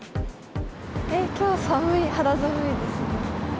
きょう寒い、肌寒いです。